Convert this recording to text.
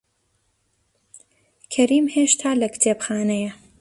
کەریم هێشتا لە کتێبخانەیە.